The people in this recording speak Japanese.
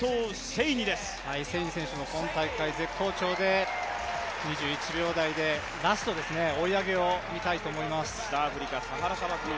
セイニ選手も今大会絶好調で２１秒台ラスト追い上げを見たいと思います。